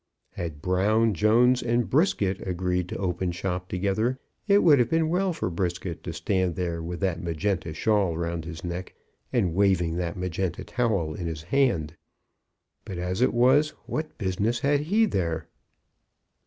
Had Brown, Jones, and Brisket agreed to open shop together, it would have been well for Brisket to stand there with that magenta shawl round his neck, and waving that magenta towel in his hand. But as it was, what business had he there?